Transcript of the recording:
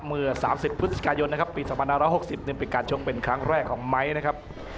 เมื่อ๓๐พฤศกายนปี๑๙๖๑เป็นการโชคเป็นครั้งแรกของไมค์นะครับ